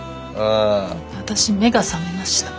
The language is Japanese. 私目が覚めました。